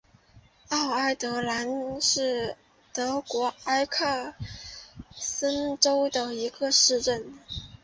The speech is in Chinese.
奥埃德兰是德国萨克森州的一个市镇。